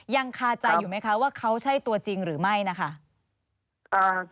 ยังคาใจอยู่ไหมคะว่าเขาใช่ตัวจริงหรือไม่นะคะ